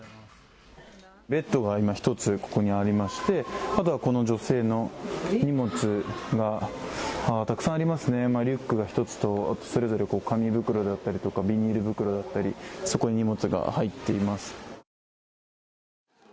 ベッドが今、１つここにありまして、あとはこの女性の荷物がたくさんありますね、リュックが１つと、それぞれ紙袋だったり、ビニール袋だったりそこに荷物が入っています。